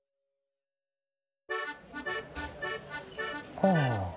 ほう。